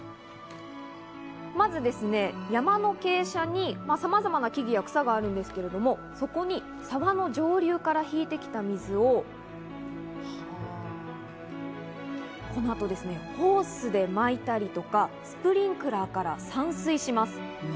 まず山の傾斜にさまざまな木々や草があるんですけれども、そこに沢の上流から引いてきた水をホースで巻いたりとかスプリンクラーから散水します。